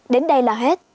đến đây là hết